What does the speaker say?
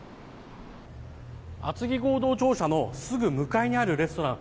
厚木合同庁舎のすぐ向かいにあるレストラン。